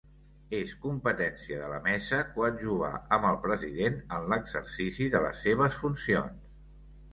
És competència de la mesa coadjuvar amb el President en l'exercici de les seves funcions.